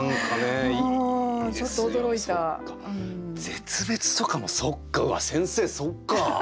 絶滅とかもそっかうわっ先生そっか。